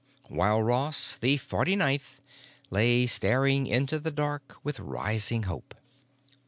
While Ross, the forty ninth, lay staring into the dark with rising hope.